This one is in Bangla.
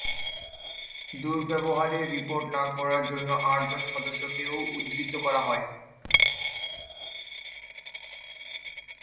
দুর্ব্যবহারের রিপোর্ট না করার জন্য আটজন সদস্যকেও উদ্ধৃত করা হয়।